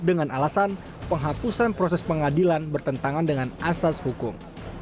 dengan alasan penghapusan proses pengadilan bertentangan dengan asas hukum